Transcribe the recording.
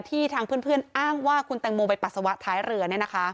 ทางเพื่อนอ้างว่าคุณแตงโมไปปัสสาวะท้ายเรือ